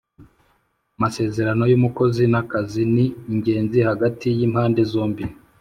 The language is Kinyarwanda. Amasezerano yumukozi na kazi ni ingenzi hagati yimpande zombi